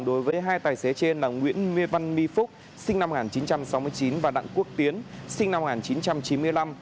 đối với hai tài xế trên là nguyễn văn my phúc sinh năm một nghìn chín trăm sáu mươi chín và đặng quốc tiến sinh năm một nghìn chín trăm chín mươi năm